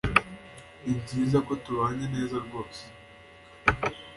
Nibyiza ko tubanye neza rwose